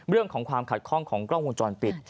เรื่องของความขัดข้องของกล้องวงจรปิด